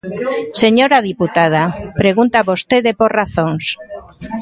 Señora deputada, pregunta vostede por razóns.